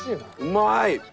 うまい！